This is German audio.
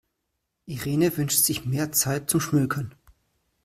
Irene wünscht sich mehr Zeit zum Schmökern.